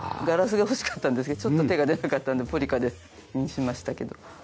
ガラスが欲しかったんですけどちょっと手が出なかったんでポリカにしましたけど。